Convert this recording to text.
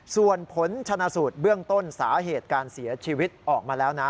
ส่วนผลชนะสูตรเบื้องต้นสาเหตุการเสียชีวิตออกมาแล้วนะ